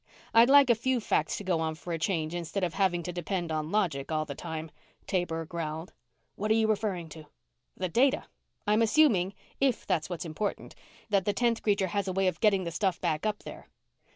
I'd like a few facts to go on for a change instead of having to depend on logic all the time," Taber growled. "What are you referring to?" "The data. I'm assuming, if that's what's important, that the tenth creature has a way of getting the stuff back up there."